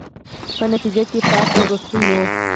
په نتیجه کې پاتې، وروستو.